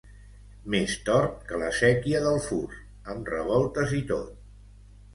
Més tort que la séquia del Fus, amb revoltes i tot.